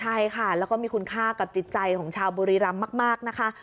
ใช่ค่ะแล้วก็มีคุณค่ากับจิตใจของชาวบุรีรำมากนะคะ